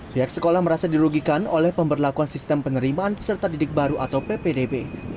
pihak sekolah merasa dirugikan oleh pemberlakuan sistem penerimaan peserta didik baru atau ppdb